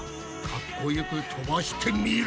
かっこよく飛ばしてみろや！